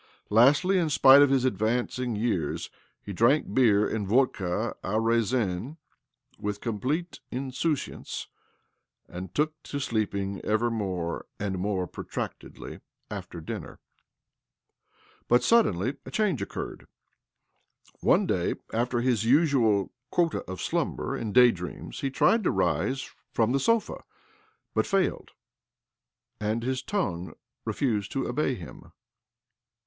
Lastly, in spite of his advancing years, he drank beer and vodka a raisin with complete in souciance, and took to sleeping ever more and more protractedly after dinner. But suddenly a change occurred. One day, after his usual quota of slumber and day dreams, he tried to rise from the sofa, but failed, and his tongue refused to obey him.